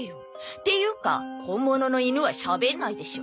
っていうか本物の犬はしゃべんないでしょ。